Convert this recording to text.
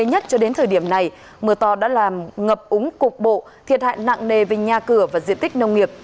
nhất cho đến thời điểm này mưa to đã làm ngập úng cục bộ thiệt hại nặng nề về nhà cửa và diện tích nông nghiệp